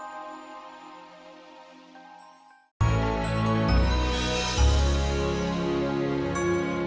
nanti aku hubungin kamu pas aku mau kasih uangnya